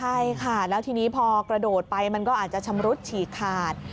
ใช่ค่ะแล้วทีนี้พอกระโดดไปมันก็อาจจะชำรุดฉีกขาด